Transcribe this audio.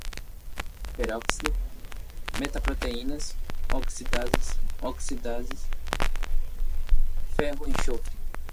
peróxido, metaloproteínas, oxidases, oxigenases, ferro-enxofre